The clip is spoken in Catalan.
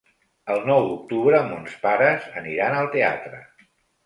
El nou d'octubre mons pares aniran al teatre.